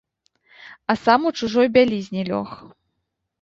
А сам у чужой бялізне лёг.